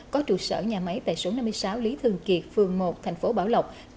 có trụ sở nhà máy tại số năm mươi sáu lý thường kiệt phường một thành phố bảo lộc